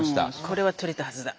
これは取れたはずだ。